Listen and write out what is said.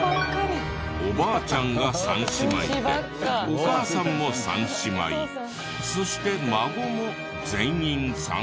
おばあちゃんが３姉妹でお母さんも３姉妹そして孫も全員３姉妹。